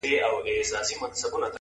که هر څو نجوني ږغېږي چي لونګ یم؛